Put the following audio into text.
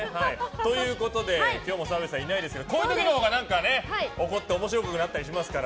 ということで今日も澤部さんはいないですがこういう時のほうが何か起こって面白くなったりしますから。